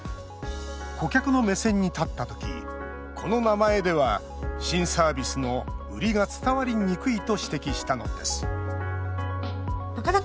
顧客の目線に立った時この名前では新サービスの売りが伝わりにくいと指摘したのです